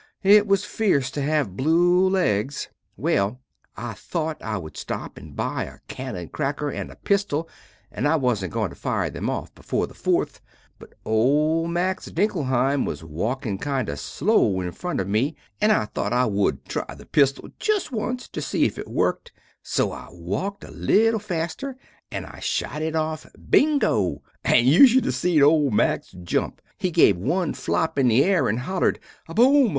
It is feerce to have blew legs. Well I thot I wood stop and boy a canon craker and a pistol and I wasnt going to fire them off before the 4th. but ole Max Dinkelheim was walking kind of slow in front of me and I thot I wood try the pistol just once to see if it workt, so I walkt a little faster and shot it off bingo and you shood have seen ole Max jump! He give one flop in the air and hollered, A bom!